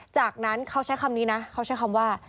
จากนั้นเขาใช้คำนี้นะเขาใช้คำว่า